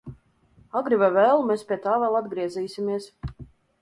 Agri vai vēlu mēs pie tā vēl atgriezīsimies.